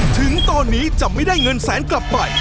ถึงตอนนี้จะไม่ได้เงินแสนกลับไป